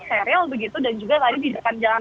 steril begitu dan juga tadi di depan jalan